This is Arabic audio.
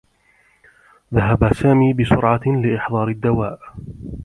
ذهب سامي بسرعة لإحضار الدّواء.